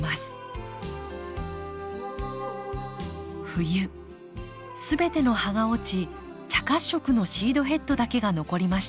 冬全ての葉が落ち茶褐色のシードヘッドだけが残りました。